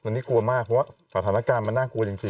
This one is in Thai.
นี่กลัวมากว่าสรรค์ฐานะการมันน่ากลัวอย่างจริง